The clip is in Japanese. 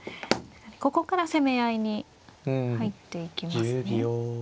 ここから攻め合いに入っていきますね。